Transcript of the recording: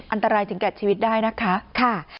อันตรายถึงแก่ชีวิตได้นะคะ